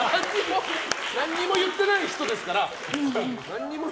何にも言ってない人ですから。